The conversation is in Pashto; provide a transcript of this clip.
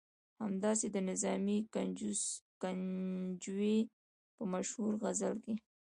همداسې د نظامي ګنجوي په مشهور غزل کې.